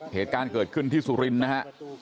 เหตุการณ์เกิดขึ้นที่สุรินทร์นะฮะ